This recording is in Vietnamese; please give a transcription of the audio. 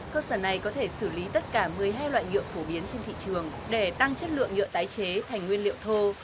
cơ sở này có thể xử lý tất cả một mươi hai loại nhựa phổ biến trên thị trường để tăng chất lượng nhựa tái chế thành nguyên liệu thô